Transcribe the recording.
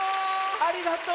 ありがとう。